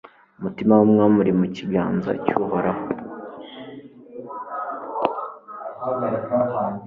umutima w'umwami uri mu kiganza cy'uhoraho